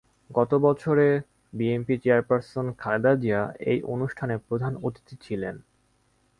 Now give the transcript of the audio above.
গত বছরে বিএনপির চেয়ারপারসন খালেদা জিয়া এই অনুষ্ঠানে প্রধান অতিথি ছিলেন।